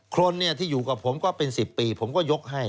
คนที่อยู่กับผมก็เป็น๑๐ปีผมก็ยกให้